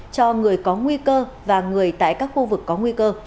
cho người có nguy cơ và người tại các khu vực có nguy cơ